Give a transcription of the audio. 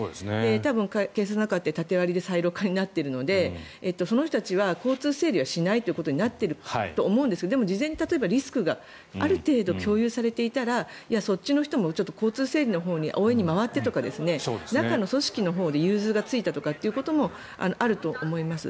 多分、警察の中って縦割りになっているのでその人たちは交通整理はしないということになっていると思うんですがでも事前にリスクがある程度、共有されていたらそっちの人も交通整理のほうに応援に回ってとか中の組織のほうで融通がついたということもあると思います。